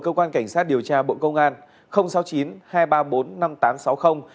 cơ quan cảnh sát điều tra bộ công an